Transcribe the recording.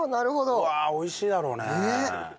うわ美味しいだろうね。